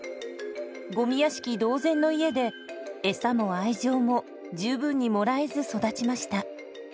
ゴミ屋敷同然の家で餌も愛情も十分にもらえず育ちました。